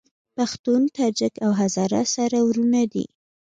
پښتون، تاجک او هزاره سره وروڼه دي